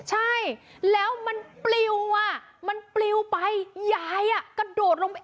ใช่แล้วมันปลิวอ่ะมันปลิวไปยายกระโดดลงไป